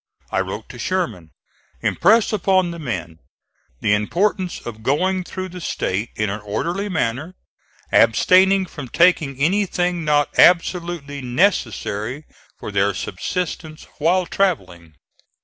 I wrote to Sherman: "Impress upon the men the importance of going through the State in an orderly manner, abstaining from taking anything not absolutely necessary for their subsistence while travelling.